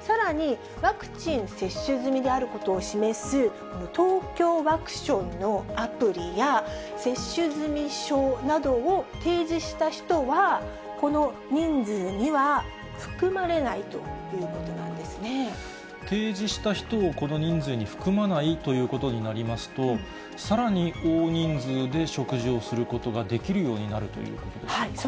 さらに、ワクチン接種済みであることを示す、このＴＯＫＹＯワクションのアプリや、接種済証などを提示した人は、この人数には含まれないというこ提示した人をこの人数に含まないということになりますと、さらに大人数で食事をすることができるようになるということでしょうか。